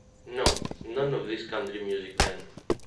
No, none of this country music then.